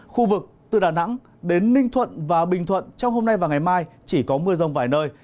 khu vực từ đà nẵng đến ninh thuận và bình thuận trong hôm nay và ngày mai chỉ có mưa rông vài nơi